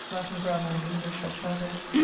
Latin grammar in English, 8vo. 9.